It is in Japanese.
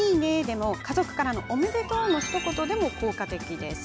でも家族からのおめでとう！のひと言でも効果的です。